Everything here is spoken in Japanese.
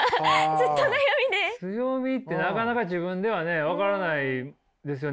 強みってなかなか自分ではね分からないですよね。